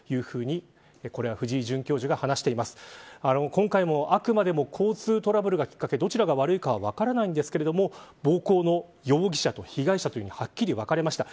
今回も、あくまでも交通トラブルがきっかけでどちらが悪いか分かりませんが暴行の容疑者と被害者というふうにはっきり分かれました。